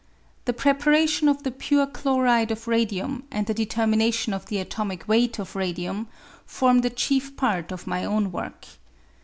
The preparation of the pure chloride of radium and the determination of the atomic weight of radium form the chief part of my own work.